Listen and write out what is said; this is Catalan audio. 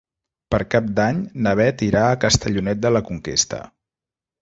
Per Cap d'Any na Beth irà a Castellonet de la Conquesta.